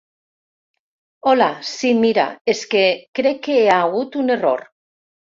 Hola, si mira, es que crec que hi hagut un error.